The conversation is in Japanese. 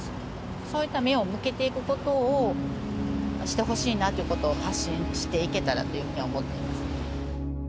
そういった目を向けていくことをしてほしいなってことを発信していけたらっていうふうには思っています。